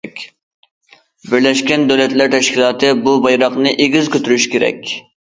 بىرلەشكەن دۆلەتلەر تەشكىلاتى بۇ بايراقنى ئېگىز كۆتۈرۈشى كېرەك.